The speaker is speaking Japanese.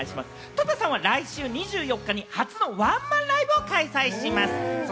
とたさんは来週２４日に初のワンマンライブを開催します。